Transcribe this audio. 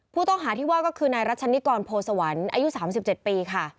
ผู้ต้องหาที่ว่าก็คือนายรัชนิกรโพสวรรค์อายุ๓๗ปีค่ะ